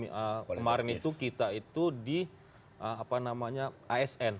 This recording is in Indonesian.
kemarin itu kita itu di asn